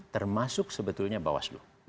termasuk sebetulnya bawaslu